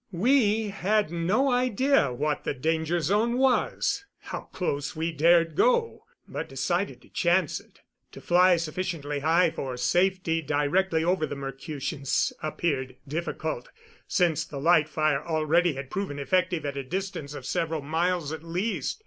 We had no idea what the danger zone was how close we dared go but decided to chance it. To fly sufficiently high for safety directly over the Mercutians appeared difficult, since the light fire already had proven effective at a distance of several miles at least.